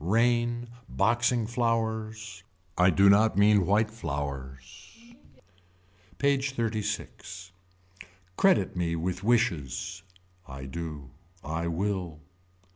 Rain. Boxing flowers. I do not mean white flowers. PAGE XXXVI. Credit me with wishes. I do. I will.